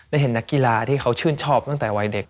เห็นนักกีฬาที่เขาชื่นชอบตั้งแต่วัยเด็ก